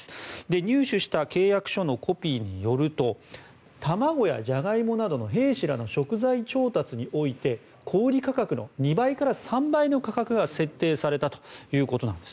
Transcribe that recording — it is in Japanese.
入手した契約書のコピーによると卵やジャガイモなどの兵士らの食材調達において小売価格の２倍から３倍の価格が設定されたということなんです。